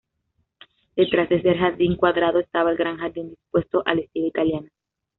Detrás de este jardín cuadrado estaba el gran jardín dispuesto al estilo italiano.